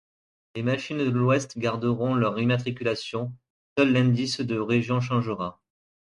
Les machines de l'Ouest garderont leur immatriculation, seul l'indice de région changera.